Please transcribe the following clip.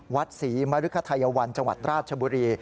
วัดศรีมริคไทยวันจังหวัดราชบุรี